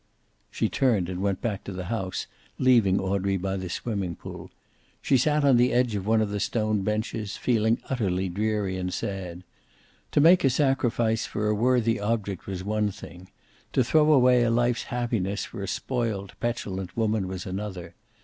She turned and went back to the house, leaving Audrey by the swimming pool. She sat on the edge of one of the stone benches, feeling utterly dreary and sad. To make a sacrifice for a worthy object was one thing. To throw away a life's happiness for a spoiled, petulant woman was another.